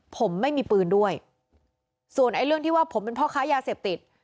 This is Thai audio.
ผมไม่มีปืนด้วยส่วนไอ้เรื่องที่ว่าผมเป็นพ่อค้ายาเสพติด